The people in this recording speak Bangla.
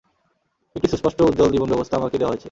একটি সুস্পষ্ট উজ্জ্বল জীবন ব্যবস্থা আমাকে দেওয়া হয়েছে।